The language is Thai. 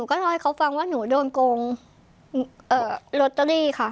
ก็บอกมาว่าหนูถอนโรตอรี่ค่ะ